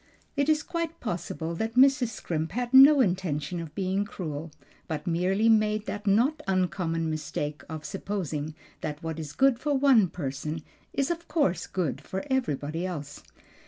It is quite possible that Mrs. Scrimp had no intention of being cruel, but merely made the not uncommon mistake of supposing that what is good for one person is of course good for everybody else.